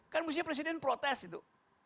kan mestinya presiden protes itu